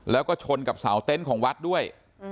แล้วก็ชนกับเสาเต็นต์ของวัดด้วย